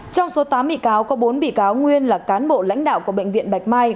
trong số tám bị cáo có bốn bị cáo nguyên là cán bộ lãnh đạo của bệnh viện bạch mai